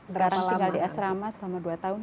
sekarang tinggal di asrama selama dua tahun